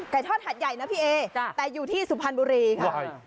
ทอดหัดใหญ่นะพี่เอแต่อยู่ที่สุพรรณบุรีค่ะ